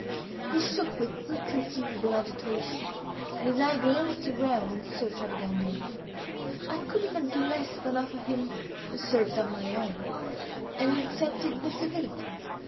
He shook with inconceivable agitation, and his eye glanced around in search of a gondola. I could not do less than offer him the service of my own; and he accepted the civility.